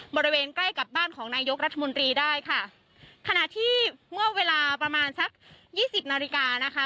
บริเวณใกล้กับบ้านของนายกรัฐมนตรีได้ค่ะขณะที่เมื่อเวลาประมาณสักยี่สิบนาฬิกานะคะ